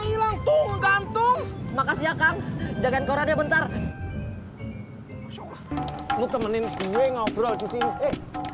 hilang tunggantung makasih ya kang jagain koran ya bentar lu temenin gue ngobrol di sini